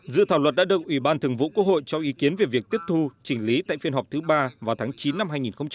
dự thảo luật đã được ủy ban thường vụ quốc hội cho ý kiến về việc tiếp thu chỉnh lý tại phiên họp thứ ba vào tháng chín năm hai nghìn hai mươi